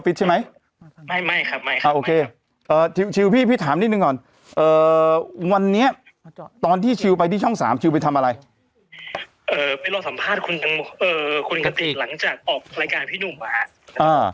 ไปสัมภาษณ์คุณกติกหลังจากออกรายการพี่หนุ่มอะฮะ